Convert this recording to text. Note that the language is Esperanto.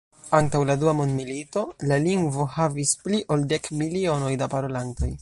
Antaŭ la dua mondmilito, la lingvo havis pli ol dek milionoj da parolantoj.